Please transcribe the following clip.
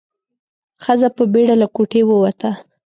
ښځه په بيړه له کوټې ووته.